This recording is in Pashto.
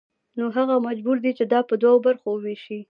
نو هغه مجبور دی چې دا په دوو برخو ووېشي